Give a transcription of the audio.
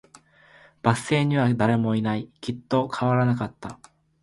バス停には誰もいない。さっきと変わらなかった。